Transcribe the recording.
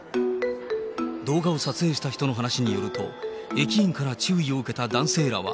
動画を撮影した人の話によると、駅員から注意を受けた男性らは。